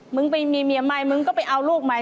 มึงไปมีเมียใหม่มึงก็ไปเอาลูกใหม่